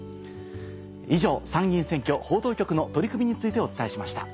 以上参議院選挙報道局の取り組みについてお伝えしました。